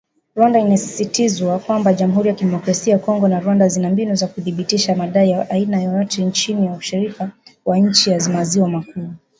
Rwanda inasisitizwa kwamba “Jamhuri ya demokrasia ya Kongo na Rwanda zina mbinu za kuthibitisha madai ya aina yoyote chini ya ushirika wa nchi za maziwa makuu.